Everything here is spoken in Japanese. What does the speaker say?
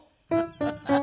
ハハハハ。